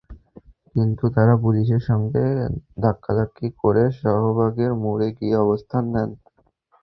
কিন্তু তাঁরা পুলিশের সঙ্গে ধাক্কাধাক্কি করে শাহবাগের মোড়ে গিয়ে অবস্থান নেন।